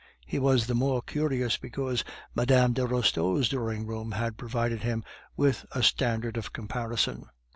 He was the more curious, because Mme. de Restaud's drawing room had provided him with a standard of comparison.